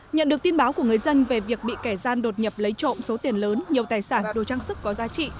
nhận được tin báo của người dân về việc bị kẻ gian đột nhập lấy trộm số tiền lớn nhiều tài sản đồ trang sức có giá trị